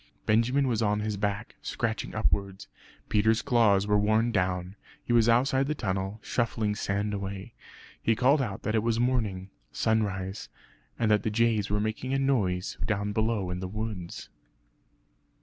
Benjamin was on his back, scratching upwards. Peter's claws were worn down; he was outside the tunnel, shuffling sand away. He called out that it was morning sunrise; and that the jays were making a noise down below in the woods.